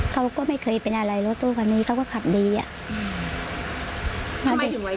เขาก็ไม่เคยเป็นอะไรรถตู้คันนี้เขาก็ขับดีอะ